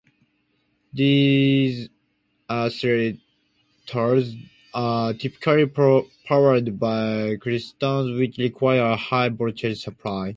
These accelerators are typically powered by klystrons, which require a high voltage supply.